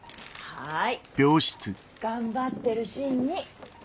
はい。